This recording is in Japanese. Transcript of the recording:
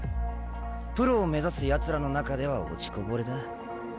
プロを目指すやつらの中では落ちこぼれだ。